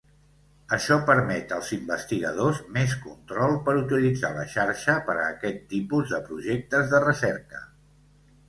Això permet als investigadors més control per utilitzar la xarxa per a aquest tipus de projectes de recerca.